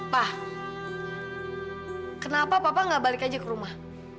pa kenapa papa gak balik aja ke rumah